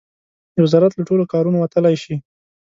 د وزارت له ټولو کارونو وتلای شي.